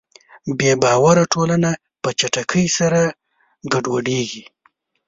بېباوره ټولنه په چټکۍ سره ګډوډېږي.